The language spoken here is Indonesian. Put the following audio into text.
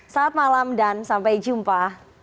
saat malam dan sampai jumpa